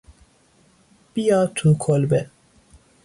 بیا تو کلبه